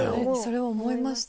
それ思いました。